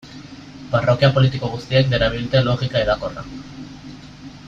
Parrokia politiko guztiek darabilte logika hedakorra.